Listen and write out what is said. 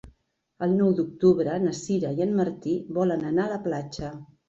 El nou d'octubre na Sira i en Martí volen anar a la platja.